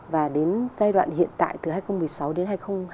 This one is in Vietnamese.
và đến giai đoạn hiện tại từ hai nghìn một mươi sáu đến hai nghìn hai mươi